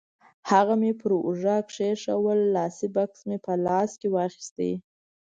هغه مې پر اوږه کېښوول، لاسي بکس مې په لاس کې واخیست.